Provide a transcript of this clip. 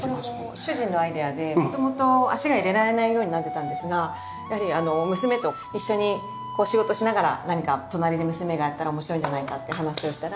これも主人のアイデアで元々足が入れられないようになってたんですがやはり娘と一緒に仕事しながら何か隣で娘がやったら面白いんじゃないかって話をしたら。